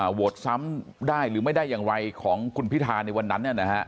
โหวตซ้ำได้หรือไม่ได้อย่างไรของคุณพิธาในวันนั้น